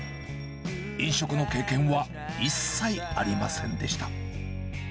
飲食の経験は一切ありませんでした。